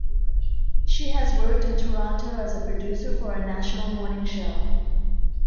She has worked in Toronto as a producer for a national morning show.